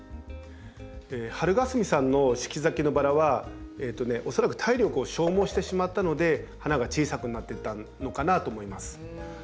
はるがすみさんの四季咲きのバラは恐らく体力を消耗してしまったので花が小さくなっていったのかなと思います。